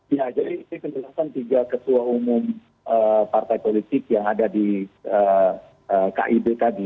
ya jadi ini penjelasan tiga ketua umum partai politik yang ada di kib tadi